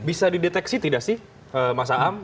bisa dideteksi tidak sih mas aam